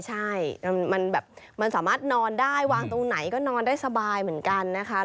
ใช่มันแบบมันสามารถนอนได้วางตรงไหนก็นอนได้สบายเหมือนกันนะคะ